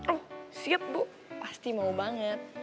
oh siap bu pasti mau banget